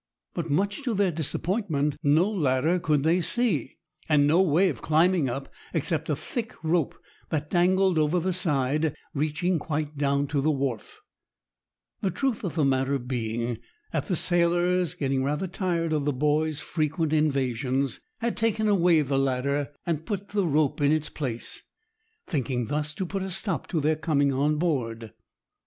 But, much to their disappointment, no ladder could they see, and no way of climbing up except a thick rope that dangled over the side, reaching quite down to the wharf; the truth of the matter being that the sailors, getting rather tired of the boys' frequent invasions, had taken away the ladder and put the rope in its place, thinking thus to put a stop to their coming on board.